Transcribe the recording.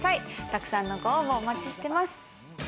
たくさんのご応募をお待ちしてます。